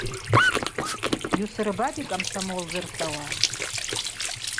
Йусырбапӏи кӏамсамол зырхӏвауа.